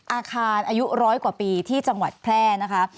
อาคารอายุร้อยกว่าปีที่จังหวัดแพร่นะคะ